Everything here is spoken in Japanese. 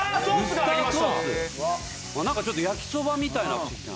なんかちょっと焼きそばみたいになってきた。